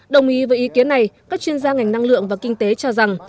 đồng ý với ý kiến này các chuyên gia ngành năng lượng và kinh tế cho rằng